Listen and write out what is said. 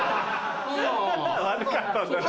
悪かったんだな。